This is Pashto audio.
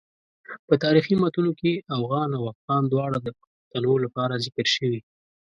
په تاریخي متونو کې اوغان او افغان دواړه د پښتنو لپاره ذکر شوي.